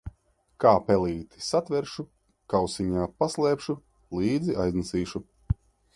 Kā pelīti satveršu, kausiņā paslēpšu, līdzi aiznesīšu.